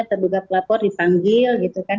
terduga pelapor dipanggil gitu kan